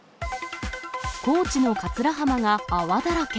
高知の桂浜が泡だらけ。